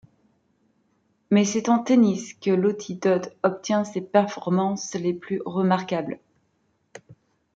Mais c'est en tennis que Lottie Dod obtient ses performances les plus remarquables.